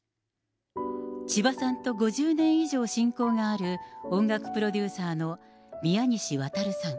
千葉さんと５０年以上親交がある音楽プロデューサーの宮西渡さん。